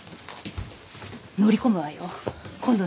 乗り込むわよ今度の日曜。